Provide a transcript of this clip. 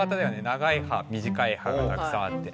長い歯短い歯がたくさんあって。